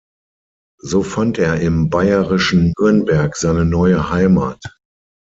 So fand er im bayerischen Nürnberg seine neue Heimat.